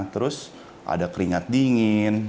terus ada keringat dingin